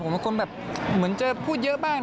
ผมเป็นคนแบบเหมือนจะพูดเยอะบ้าง